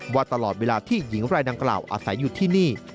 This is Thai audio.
ว่าตลอดเวลาที่หญิงรายดังกล่าวอาศัยอยู่ที่นี่